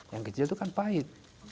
yang kecil itu kan pahit